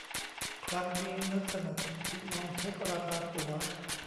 ครั้งนี้นึกสนุกลองเช็คราคาตั๋ว